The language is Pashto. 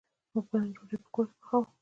موږ به نن ډوډۍ په کور کی پخوو